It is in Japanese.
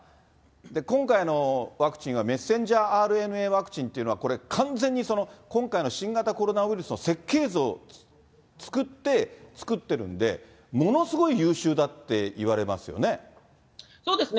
今回、ワクチンはｍＲＮＡワクチンっていうのは、これ、完全に今回の新型コロナウイルスの設計図を作って、作ってるんで、ものすごい優秀だっていわれますよね。